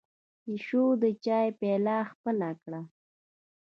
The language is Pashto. پيشو د چای پياله خپله کړه.